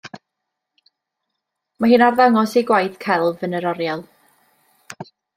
Mae hi'n arddangos ei gwaith celf yn yr oriel.